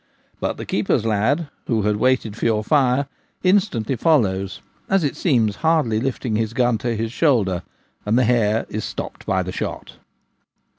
But the keeper's lad, who had waited for your fire, instantly follows, as it seems hardly lifting his gun to his shoulder, and the hare is stopped by the shot.